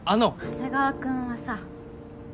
長谷川君はさ。